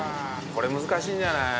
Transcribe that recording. これ難しいんじゃない？